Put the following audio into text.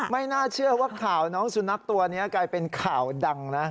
ไม่น่าเชื่อว่าข่าวน้องสุนัขตัวนี้กลายเป็นข่าวดังนะ